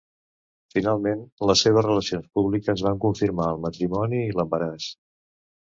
Finalment, les seves relacions públiques van confirmar el matrimoni i l'embaràs.